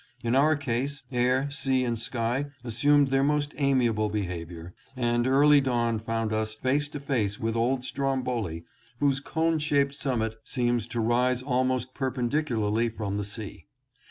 In our case, air, sea and sky assumed their most amiable behavior, and early dawn found us face to face with old Stromboli, whose cone shaped summit seems to rise almost perpendicu larly from the sea.